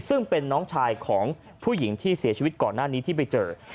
ซึ่งเป็นน้องชายของผู้หญิงที่เสียชีวิตก่อนหน้านี้ที่ไปเจอ